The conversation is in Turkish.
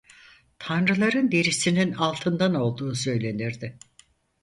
Tanrıların derisinin altından olduğu söylenirdi.